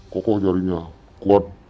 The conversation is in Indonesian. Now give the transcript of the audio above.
kokoh jarinya kuat